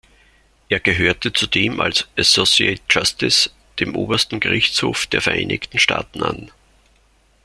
Er gehörte zudem als "Associate Justice" dem Obersten Gerichtshof der Vereinigten Staaten an.